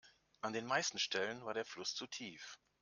An den meisten Stellen war der Fluss zu tief.